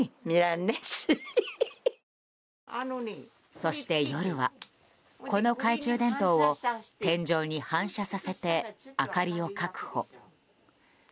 そして夜はこの懐中電灯を天井に反射させて明かりを確保。